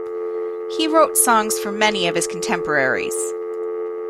He wrote songs for many of his contemporaries.